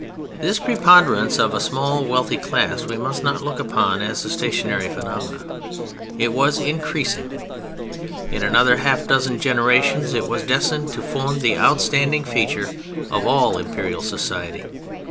This preponderance of a small wealthy class we must not look upon as a stationary phenomenon: it was increasing. In another half dozen generations it was destined to form the outstanding feature of all imperial society.